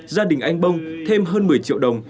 gia đình anh bông thêm hơn một mươi triệu đồng